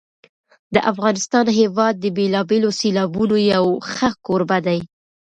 د افغانستان هېواد د بېلابېلو سیلابونو یو ښه کوربه دی.